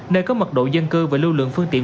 nơi có mật độ dân cư và lưu lượng phương tiện